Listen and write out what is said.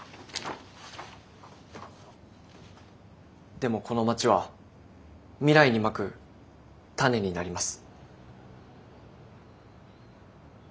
でもこの町は未来に撒く種になります。